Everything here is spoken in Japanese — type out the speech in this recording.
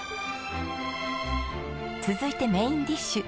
続いてメインディッシュ。